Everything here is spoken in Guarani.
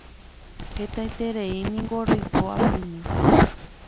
hetaitereíniko roiko asymi